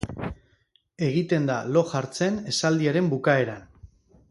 Egiten da lo jartzen esaldiaren bukaeran.